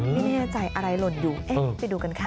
ไม่แน่ใจอะไรหล่นอยู่เอ๊ะไปดูกันค่ะ